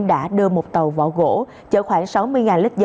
đã đưa một tàu vỏ gỗ chở khoảng sáu mươi lít dầu